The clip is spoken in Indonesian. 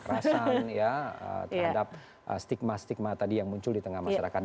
kekerasan ya terhadap stigma stigma tadi yang muncul di tengah masyarakat